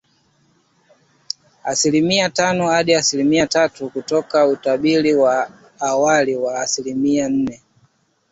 Asilimia tano hadi asilimia tatu kutoka utabiri wa awali wa asilimia nne.